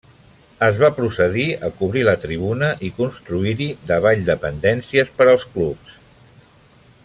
Es va procedir a cobrir la tribuna i construir-hi davall dependències per als clubs.